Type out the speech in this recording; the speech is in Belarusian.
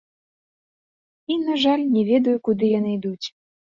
І, на жаль, не ведаю, куды яны ідуць.